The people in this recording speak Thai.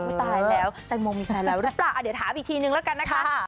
ตายแล้วแตงโมมีแฟนแล้วหรือเปล่าเดี๋ยวถามอีกทีนึงแล้วกันนะคะ